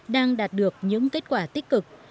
đang đạt được những kết quả tích cực